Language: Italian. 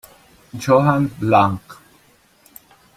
Johann Blank